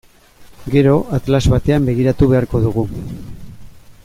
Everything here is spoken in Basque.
Gero atlas batean begiratu beharko dugu.